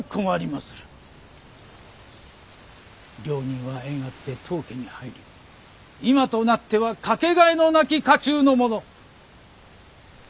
両人は縁あって当家に入り今となっては掛けがえのなき家中の者。